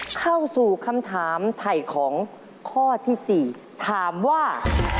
เข้าสู่คำถามไถ่ของข้อที่๔ถามว่า